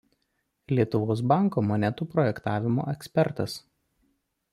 Lietuvos banko monetų projektavimo ekspertas.